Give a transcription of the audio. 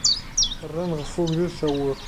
Rran ɣef ugdud tawwurt.